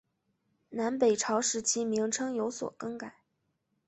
南北朝时期名称有所更改。